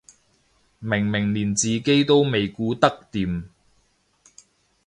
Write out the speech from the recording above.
明明連自己都未顧得掂